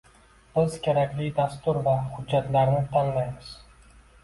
Biz kerakli dastur va hujjatlarni tanlaymiz